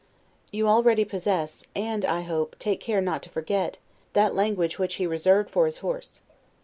You already possess, and, I hope, take care not to forget, that language which he reserved for his horse.